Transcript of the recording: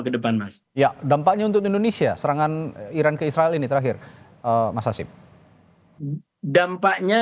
ke depan mas ya dampaknya untuk indonesia serangan iran ke israel ini terakhir mas hasib dampaknya